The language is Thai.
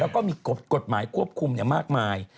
แล้วก็มีกฎหมายควบคุมมากมาย